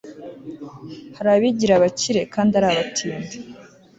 hari abigira abakire kandi ari abatindi